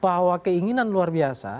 bahwa keinginan luar biasa